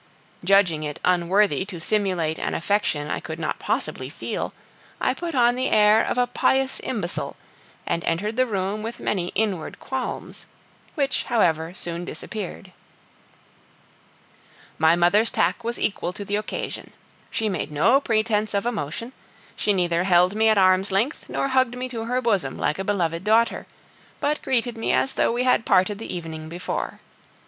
Judging it unworthy to simulate an affection I could not possibly feel, I put on the air of a pious imbecile, and entered the room with many inward qualms, which however soon disappeared. My mother's tack was equal to the occasion. She made no pretence of emotion; she neither held me at arm's length nor hugged me to her bosom like a beloved daughter, but greeted me as though we had parted the evening before.